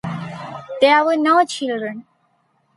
There were no children.